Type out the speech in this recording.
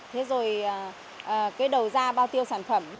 thế rồi cái đầu da bao tiêu sản phẩm